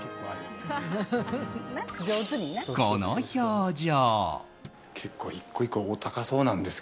この表情。